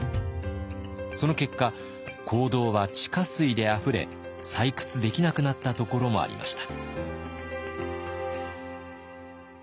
その結果坑道は地下水であふれ採掘できなくなったところもありました。